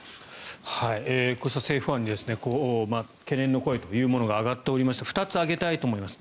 こうした政府案懸念の声というものが上がっておりまして２つ挙げたいと思います。